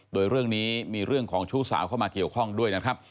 โดยเรื่องนี้มีเรื่องของชู้สาวเข้ามาเกี่ยวข้องด้วยนะครับ